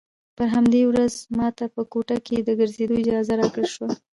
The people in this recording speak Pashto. پر همدې ورځ ما ته په کوټه کښې د ګرځېدو اجازه راکړل سوه.